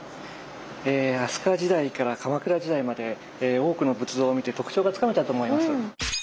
飛鳥時代から鎌倉時代まで多くの仏像を見て特徴がつかめたと思います。